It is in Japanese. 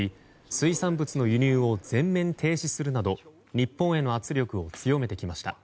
水産物の輸入を全面停止するなど日本への圧力を強めてきました。